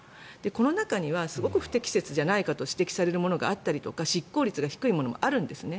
この中にはすごく不適切じゃないかと指摘されるものがあったりとか執行率が低いものもあるんですね。